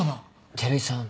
照井さん